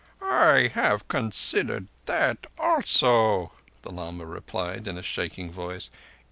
"I have considered that also," the lama replied, in a shaking voice.